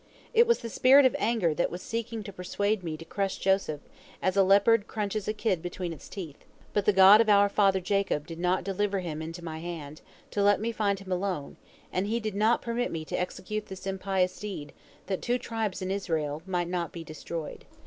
It was the spirit of anger that was seeking to persuade me to crush Joseph, as a leopard crunches a kid between its teeth. But the God of our father Jacob did not deliver him into my hand, to let me find him alone, and He did not permit me to execute this impious deed, that two tribes in Israel might not be destroyed.